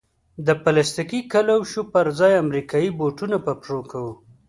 د پلاستیکي کلوشو پر ځای امریکایي بوټونه په پښو کوو.